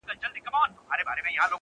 د عُمر زکندن ته شپې یوه- یوه لېږمه-